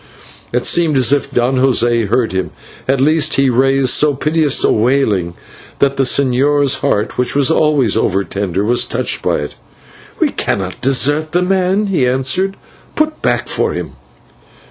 It seemed as if Don José heard him, at least he raised so piteous a wailing that the señor's heart, which was always over tender, was touched by it. "We cannot desert the man," he answered, "put back for him."